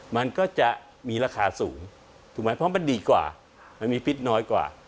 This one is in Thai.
มันก็จะมีราคาสูงถูกไหมเพราะมันดีกว่ามันมีพิษน้อยกว่า